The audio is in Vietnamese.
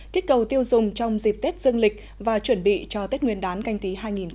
kích cầu tiêu dùng trong dịp tết dương lịch và chuẩn bị cho tết nguyên đán canh tí hai nghìn hai mươi